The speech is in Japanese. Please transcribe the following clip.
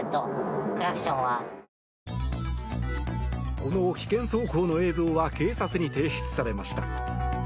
この危険走行の映像は警察に提出されました。